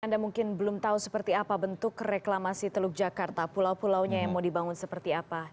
anda mungkin belum tahu seperti apa bentuk reklamasi teluk jakarta pulau pulaunya yang mau dibangun seperti apa